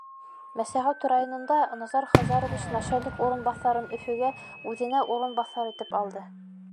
Мәсәғүт районында Назар Хазарович начальник урынбаҫарын Өфөгә, үҙенә урынбаҫар итеп алды.